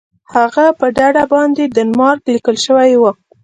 د هغې په ډډه باندې ډنمارک لیکل شوي وو.